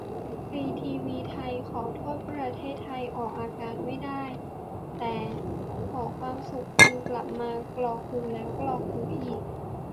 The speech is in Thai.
ฟรีทีวีไทย :"ขอโทษประเทศไทย" ออกอากาศไม่ได้ แต่ "ขอความสุขคืนกลับมา" กรอกหูแล้วกรอกหูอีก